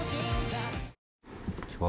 こんにちは。